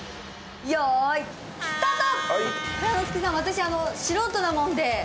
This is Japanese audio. よーい、スタート！